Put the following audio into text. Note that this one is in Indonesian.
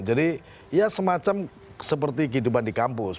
jadi ya semacam seperti kehidupan di kampus